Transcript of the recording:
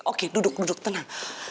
oke duduk duduk tenang